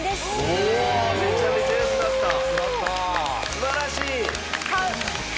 素晴らしい！